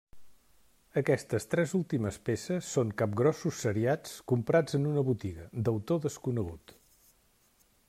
Aquestes tres últimes peces són capgrossos seriats comprats en una botiga, d’autor desconegut.